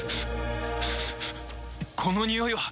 このにおいは！